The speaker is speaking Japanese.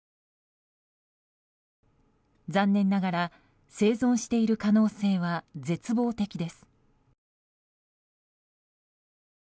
残念ながら生存している可能性は絶望的です。